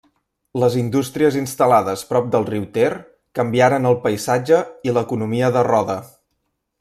Les indústries instal·lades prop del riu Ter canviaren el paisatge i l'economia de Roda.